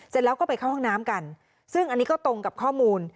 เสร็จแล้วก็ไปเข้าห้องน้ำกันซึ่งอันนี้ก็ตรงกับข้อมูล